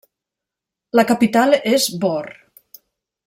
La capital és Bor.